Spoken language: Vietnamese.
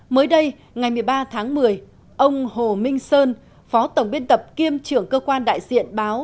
mới đây ngày một mươi ba tháng một mươi ông hồ minh sơn phó tổng biên tập kiêm trưởng cơ quan đại diện báo